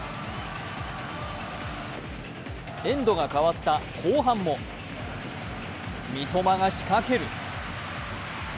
エンドが変わった後半も三笘が仕掛ける。